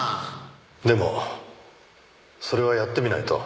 でもそれはやってみないと。